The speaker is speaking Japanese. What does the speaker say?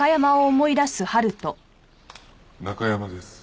「ナカヤマです」